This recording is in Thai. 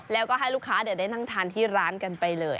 แล้วก็ให้ลูกค้าได้นั่งทานที่ร้านกันไปเลย